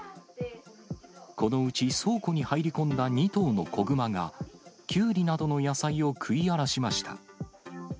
このうち、倉庫に入り込んだ２頭の子熊が、キュウリなどの野菜を食い荒らしました。